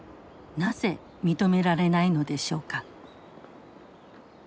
なぜ認められないのでしょうか。